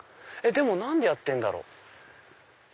でも何でやってんだろう？